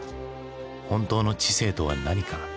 本当の知性とは何か？